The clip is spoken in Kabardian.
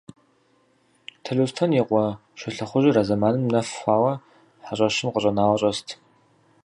Талъостэн и къуэ Щолэхъужьыр а зэманым нэф хъуауэ хьэщӀэщым къыщӀэнауэ щӀэст.